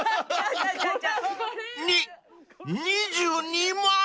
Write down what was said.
［に２２万⁉］